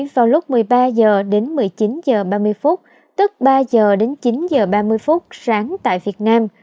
vào lúc một mươi ba h đến một mươi chín h ba mươi tức ba h đến chín h ba mươi phút sáng tại việt nam